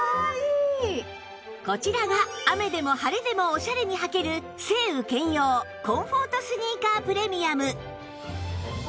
こちらが雨でも晴れでもオシャレに履ける晴雨兼用コンフォートスニーカープレミアム